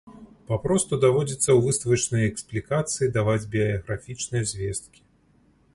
Папросту даводзіцца ў выставачнай эксплікацыі даваць біяграфічныя звесткі.